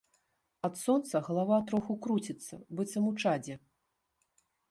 Ад сонца галава троху круціцца, быццам у чадзе.